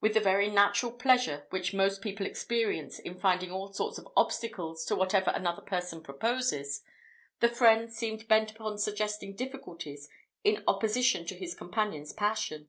With the very natural pleasure which most people experience in finding all sorts of obstacles to whatever another person proposes, the friend seemed bent upon suggesting difficulties in opposition to his companion's passion.